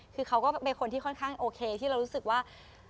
คือเขาก็เป็นคนที่ค่อนข้างโอเคที่เรารู้สึกว่า